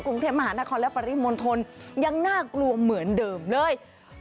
กรุงเทพมหานครและปริมณฑลยังน่ากลัวเหมือนเดิมเลย